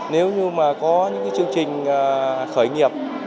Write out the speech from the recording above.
nếu như mà có những chương trình khởi nghiệp